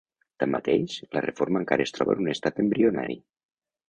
Tanmateix, la reforma encara es troba en un estat embrionari.